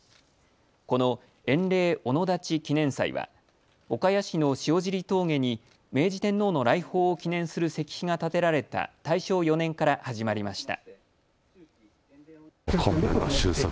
この塩嶺御野立記念祭は岡谷市の塩尻峠に明治天皇の来訪を記念する石碑が建てられた大正４年から始まりました。